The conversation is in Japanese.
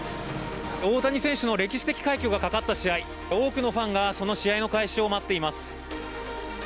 大谷選手の歴史的快挙がかかった試合多くのファンがその試合の開始を待っています。